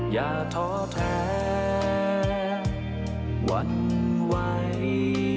อย่าท้อแท้หวั่นไหว